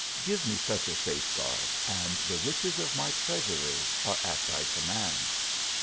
Give me such a safeguard, and the riches of my treas ury are at thy command."